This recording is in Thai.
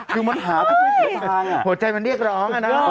คือมันหาทุกคนทุกทางอ่ะโหใจมันเรียกร้องอ่ะนะโอ้โฮ